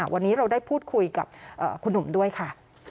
วันนี้เราได้พูดคุยกับคุณหนุ่มด้วยค่ะ